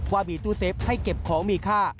ว่ามีตู้เซฟให้เก็บของมีค่า